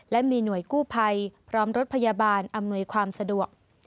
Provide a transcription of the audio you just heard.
และมีหน่วยกู้ภัยพร้อมรถพยาบาลอำนวยความสะดวก